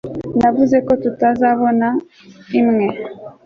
navuze ko tuzabona imwe